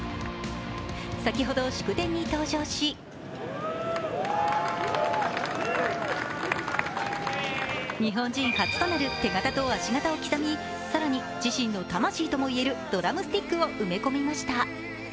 先ほど祝典に登場し、日本人初となる手形と足形を刻み、更に自身の魂ともいえるドラムスティックを埋め込みました。